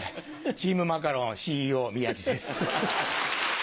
チームマカロンＣＥＯ宮治です。